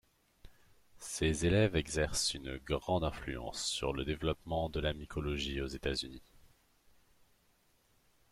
Ses élèves exercent une grande influence sur le développement de la mycologie aux États-Unis.